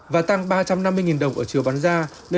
và tăng ba trăm năm mươi đồng ở chiều bán ra